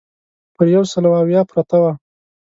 پر یو سل اویا پرته وه.